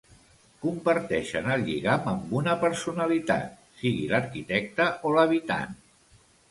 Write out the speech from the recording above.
Comparteixen el lligam amb una personalitat, sigui l'arquitecte o l'habitant.